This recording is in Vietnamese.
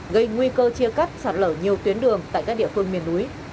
gây nguy cơ chia cắt sạt lở nhiều tuyến đường tại các địa phương miền núi